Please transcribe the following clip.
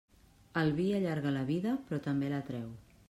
El vi allarga la vida, però també la treu.